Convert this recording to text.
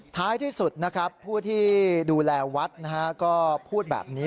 ท้ายที่สุดผู้ที่ดูแลวัดก็พูดแบบนี้